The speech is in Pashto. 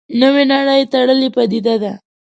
نوې نړۍ تړلې پدیده ده.